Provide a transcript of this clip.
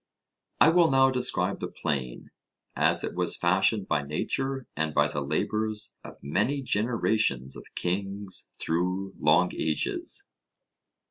I will now describe the plain, as it was fashioned by nature and by the labours of many generations of kings through long ages.